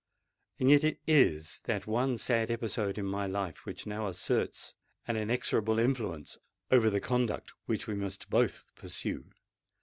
And yet it is that one sad episode in my life which now asserts an inexorable influence over the conduct which we must both pursue.